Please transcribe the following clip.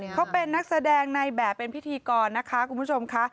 เขาเป็นนักแสดงในแบบเป็นพิธีกรนะคะคุณผู้ชมค่ะ